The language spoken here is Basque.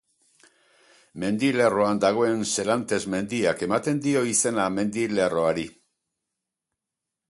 Mendilerroan dagoen Serantes mendiak ematen dio izena mendilerroari.